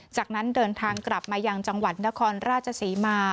จากนั้นเดินทางกลับมายังจังหวัดนครราชศรีมา